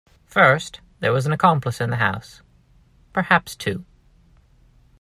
First, there was an accomplice in the house — perhaps two.